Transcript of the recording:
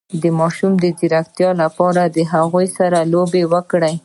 د ماشوم د ځیرکتیا لپاره له هغه سره لوبې وکړئ